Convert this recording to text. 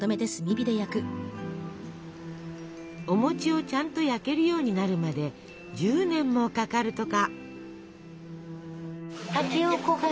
お餅をちゃんと焼けるようになるまで１０年もかかるとか。